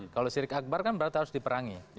kalau sirik akbar kan berarti harus diperangi